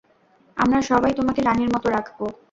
আমরা সবাই তোমাকে রানীর মতো রাখবো।